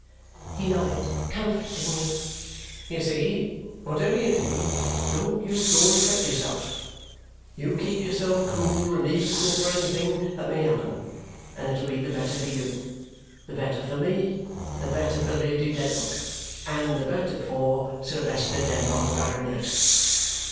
He nodded comfortingly. "You see, whatever you do, don't you go and fret yourself. You keep yourself cool and equal for anything that may happen, and it'll be the better for you, the better for me, the better for Lady Dedlock, and the better for Sir Leicester Dedlock, Baronet."